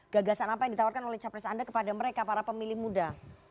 gagasan apa yang ditawarkan oleh capres anda kepada mereka para pemilih muda